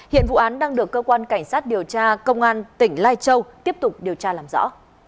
hiện vụ án đang được cơ quan cảnh sát điều tra công an tỉnh lai châu tiếp tục điều tra làm rõ